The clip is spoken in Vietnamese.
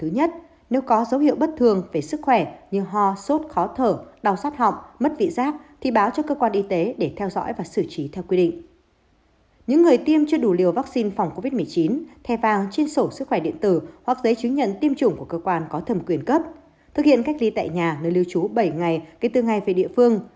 những người chưa được tiêm vaccine phòng covid một mươi chín thực hiện cách ly một mươi bốn ngày kể từ ngày về địa phương